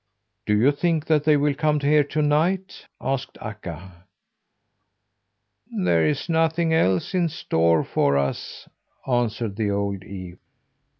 "Do you think that they will come here to night?" asked Akka. "There is nothing else in store for us," answered the old ewe.